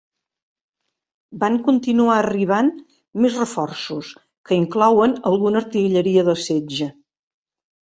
Van continuar arribant més reforços, que inclouen alguna artilleria de setge.